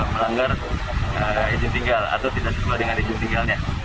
melanggar izin tinggal atau tidak sesuai dengan izin tinggalnya